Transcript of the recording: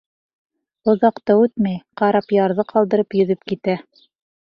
Оҙаҡ та үтмәй карап ярҙы ҡалдырып йөҙөп китә.